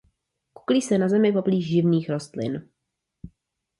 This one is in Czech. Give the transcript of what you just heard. Kuklí se na zemi poblíž živných rostlin.